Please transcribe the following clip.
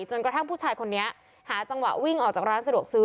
จนกระทั่งผู้ชายคนนี้หาจังหวะวิ่งออกจากร้านสะดวกซื้อ